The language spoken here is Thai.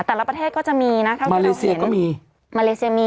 แต่ละประเทศก็จะมีนะ